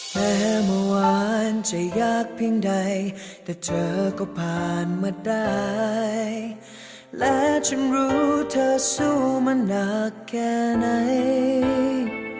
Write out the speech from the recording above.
และก็จะมีความรู้เธอสู้มันหนักแค่ไหน